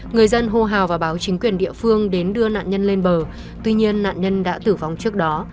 người dân hô hào và báo chính quyền địa phương đến đưa nạn nhân lên bờ tuy nhiên nạn nhân đã tử vong trước đó